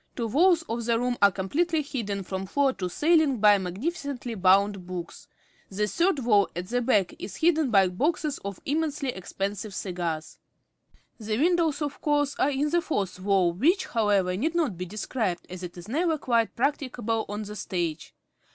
Two walls of the room are completely hidden from floor to ceiling by magnificently bound books; the third wall at the back is hidden by boxes of immensely expensive cigars. The windows, of course, are in the fourth wall, which, however, need not be described, as it is never quite practicable on the stage.